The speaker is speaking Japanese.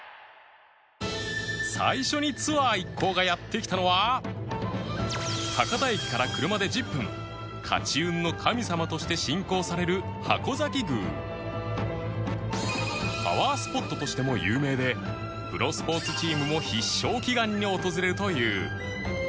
最初にツアー博多駅から車で１０分勝ち運の神様として信仰される筥崎宮パワースポットとしても有名でプロスポーツチームも必勝祈願に訪れるという